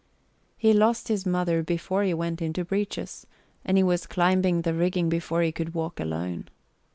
He lost his mother before he went into breeches and he was climbing the rigging before he could walk alone.